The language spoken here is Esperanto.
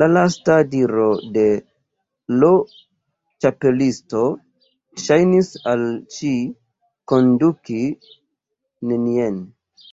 La lasta diro de l' Ĉapelisto ŝajnis al ŝi konduki nenien.